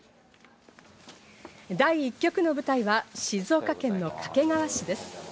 第１局の舞台は静岡県の掛川市です。